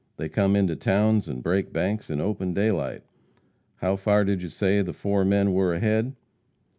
They come into towns and break banks in open daylight. How far did you say the four men were ahead?"